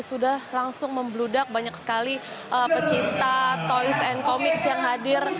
sudah langsung membludak banyak sekali pecinta toys and comics yang hadir